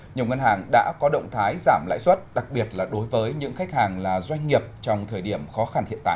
nhiều ngân hàng đã có động thái giảm lãi suất đặc biệt là đối với những khách hàng là doanh nghiệp trong thời điểm khó khăn hiện tại